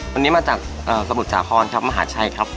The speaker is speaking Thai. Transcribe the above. วันนี้มาจากสมุทรสาครครับมหาชัยครับ